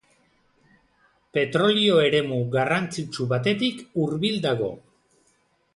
Petrolio eremu garrantzitsu batetik hurbil dago.